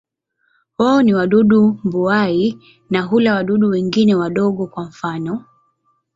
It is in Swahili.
Wao ni wadudu mbuai na hula wadudu wengine wadogo, kwa mfano.